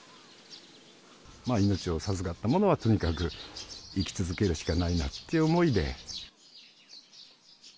命を授かったものは、とにかく生き続けるしかないなっていう思いで。